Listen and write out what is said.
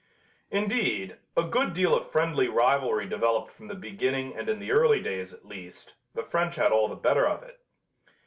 Indeed, a good deal of friendly rivalry developed from the beginning and in the early days, at least, the French had all the better of it.